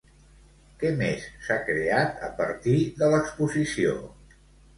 Què més s'ha creat a partir de l'exposició?